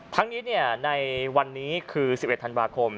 ทั้งนี้ในวันนี้คือ๑๑ธันวาคม